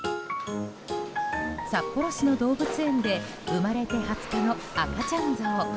札幌市の動物園で生まれて２０日の赤ちゃんゾウ。